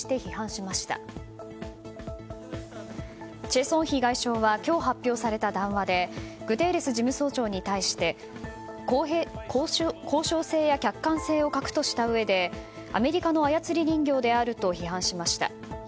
チェ・ソンヒ外相は今日発表された談話でグテーレス事務総長に対して公正性や客観性を欠くとしたうえでアメリカの操り人形であると批判しました。